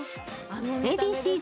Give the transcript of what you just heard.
Ａ．Ｂ．Ｃ−Ｚ